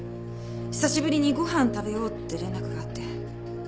久しぶりにご飯食べようって連絡があって。